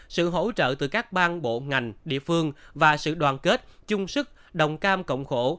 sự hỗ trợ từ các bang bộ ngành địa phương và sự đoàn kết chung sức đồng cam cộng khổ